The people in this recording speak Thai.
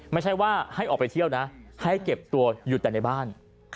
ไม่ใช่ว่าให้ออกไปเที่ยวนะให้เก็บตัวอยู่แต่ในบ้าน